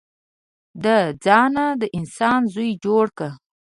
د ځانه د انسان زوی جوړ که.